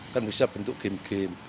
kan bisa bentuk game game